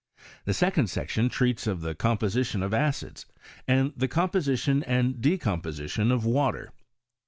The second section treats of the composition of acids, and the composition and decomposition of water.